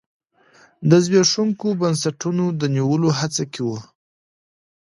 د زبېښونکو بنسټونو د نیولو هڅه کې وي.